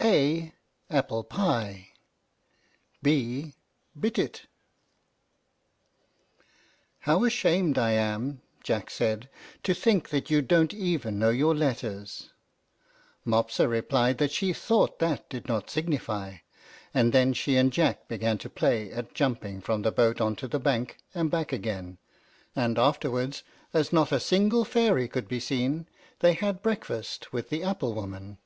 A apple pie. B bit it. "How ashamed I am," Jack said, "to think that you don't know even your letters!" Mopsa replied that she thought that did not signify, and then she and Jack began to play at jumping from the boat on to the bank, and back again; and afterwards, as not a single fairy could be seen, they had breakfast with the apple woman.